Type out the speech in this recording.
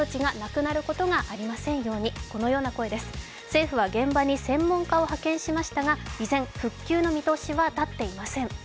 政府は現場に専門家を派遣しましたが依然、復旧の見通しは立っていません。